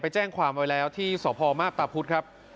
แจ้งความไว้แล้วที่สพมาพตาพุธครับ